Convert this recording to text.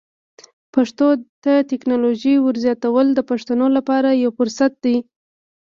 پښتو ته د ټکنالوژۍ ور زیاتول د پښتنو لپاره یو فرصت دی.